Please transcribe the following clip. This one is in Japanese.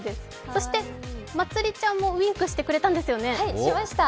そして、まつりちゃんもウインクしてくれたんですよね。